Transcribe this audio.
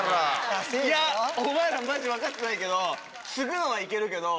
いやお前らマジ分かってないけど。